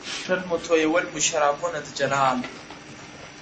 • څښل مو تويول مو شرابونه د جلال،